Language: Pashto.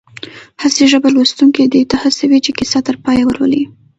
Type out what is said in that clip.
حسي ژبه لوستونکی دې ته هڅوي چې کیسه تر پایه ولولي